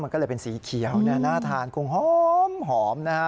มันก็เลยเป็นสีเขียวน่าทานคงหอมนะฮะ